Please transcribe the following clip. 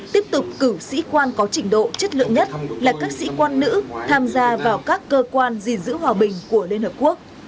tiếp tục cử sĩ quan có trình độ chất lượng nhất là các sĩ quan nữ tham gia vào các cơ quan gìn giữ hòa bình của liên hợp quốc